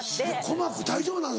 鼓膜大丈夫なの？